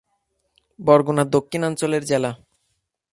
বরগুনা দক্ষিণাঞ্চলের জেলা।